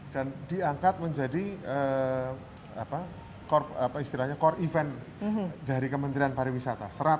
dan diangkat menjadi core event dari kementerian pariwisata